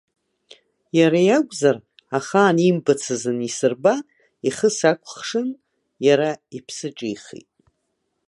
Иара иакәзар, ахаан иимбацыз анисырба, ихы сакәхшан, иара иԥсы ҿихит.